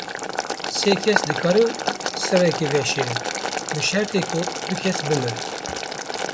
Sê kes dikarin sirekê veşêrin, bi şertê ku du kes bimirim.